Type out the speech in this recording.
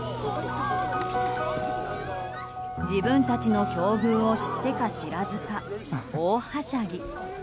自分たちの境遇を知ってか知らずか大はしゃぎ。